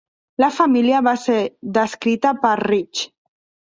La família va ser descrita per Rich.